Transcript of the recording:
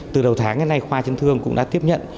từ đầu tháng đến nay khoa chấn thương cũng đã tiếp nhận